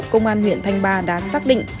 công an huyện thanh ba đã xác định